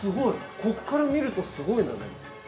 ここから見るとすごいね。